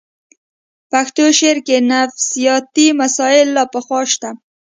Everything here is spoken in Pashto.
پښتو شعر کې نفسیاتي مسایل له پخوا شته